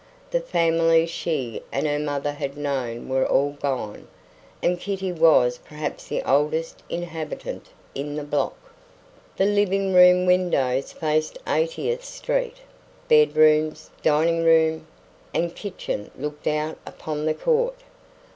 The families she and her mother had known were all gone; and Kitty was perhaps the oldest inhabitant in the block. The living room windows faced Eightieth Street; bedrooms, dining room, and kitchen looked out upon the court.